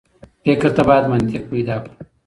فکر ته بايد منطق پيدا کړو.